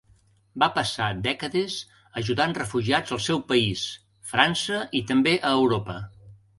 Va passar dècades ajudant refugiats al seu país, França, i també a Europa.